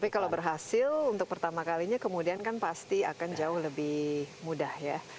tapi kalau berhasil untuk pertama kalinya kemudian kan pasti akan jauh lebih mudah ya